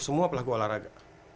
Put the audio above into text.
semua pelaku olahraga